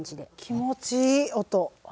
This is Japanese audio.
気持ちいい音。